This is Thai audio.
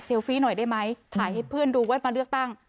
ฟี่หน่อยได้ไหมถ่ายให้เพื่อนดูไว้มาเลือกตั้ง